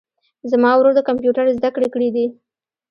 زما ورور د کمپیوټر زده کړي کړیدي